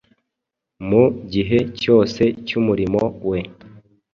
Mu gihe cyose cy’umurimo we,